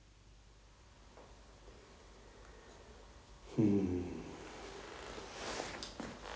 うん。